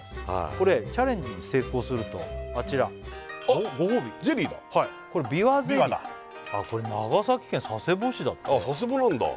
これチャレンジに成功するとあちらあっご褒美ゼリーだはいびわゼリーびわだ長崎県佐世保市だってあっ佐世保なんだ